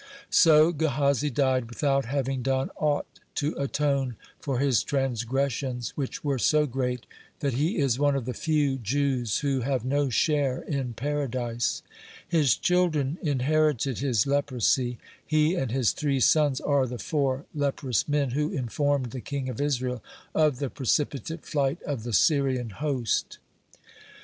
(17) So Gehazi died without having done aught to atone for his transgressions, which were so great that he is one of the few Jews who have no share in Paradise. (18) His children inherited his leprosy. He and his three sons are the four leprous men who informed the king of Israel of the precipitate flight of the Syrian host.